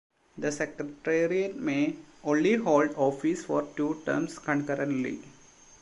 The Secretariat may only hold office for two terms concurrently.